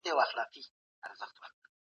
که ئې خوښه نه وه، خوراک دي پريږدي.